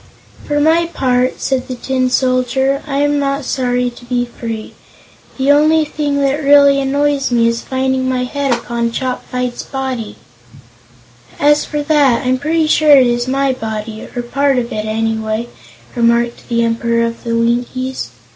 "For my part," said the Tin Soldier, "I am not sorry to be free. The only thing that really annoys me is finding my head upon Chopfyt's body." "As for that, I'm pretty sure it is my body, or a part of it, anyway," remarked the Emperor of the Winkies.